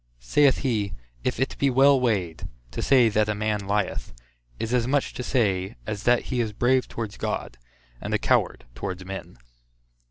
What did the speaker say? Saith he, If it be well weighed, to say that a man lieth, is as much to say, as that he is brave towards God, and a coward towards men.